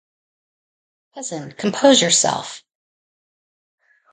Cousin, compose yourself.